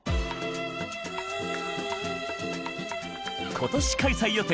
今年開催予定